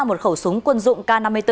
một khẩu súng quân dụng k năm mươi bốn